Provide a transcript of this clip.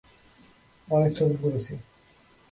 অনেক সবুর করেছি।